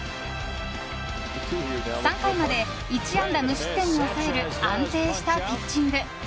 ３回まで１安打無失点に抑える安定したピッチング。